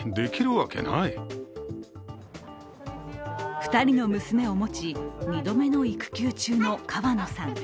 ２人の娘を持ち、２度目の育休中の川野さん。